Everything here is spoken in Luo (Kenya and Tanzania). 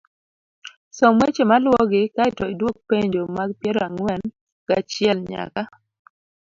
Som weche maluwogi kae to idwok penjo mag piero ang'wen gachiel nyaka